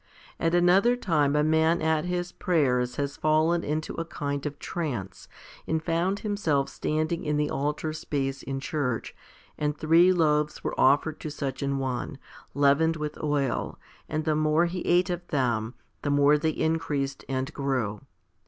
At another time a man at his prayers has fallen into a kind of trance, and found himself standing in the altar space in church, and three loaves were offered to such an one, leavened with oil, and the more he ate of them, the more they increased and grew.